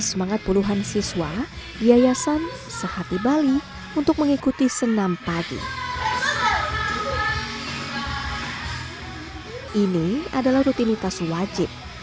semangat puluhan siswa yayasan sehati bali untuk mengikuti senam pagi ini adalah rutinitas wajib